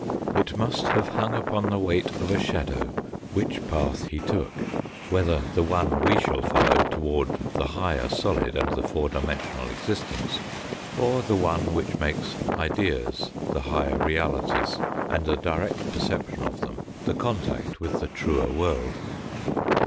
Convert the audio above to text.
It must have hung upon the weight of a shadow which path he took ! whether the one we shall follow toward the higher solid and the four dimensional existence, or the one .which makes ideas the higher realities, and the direct perception of them the contact with the truer world.